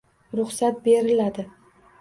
Ruxsat beriladi.